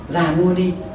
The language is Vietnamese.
già mua đi